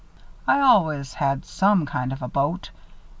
I allus had some kind of a boat.